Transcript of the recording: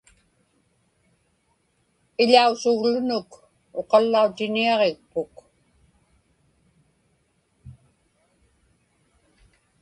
Iḷausuglunuk uqallautiniaġikpuk.